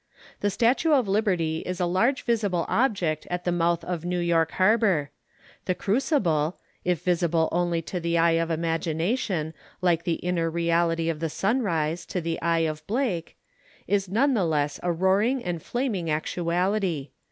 The statue of Liberty is a large visible object at the mouth of New York harbour; the crucible, if visible only to the eye of imagination like the inner reality of the sunrise to the eye of Blake, is none the less a roaring and flaming actuality.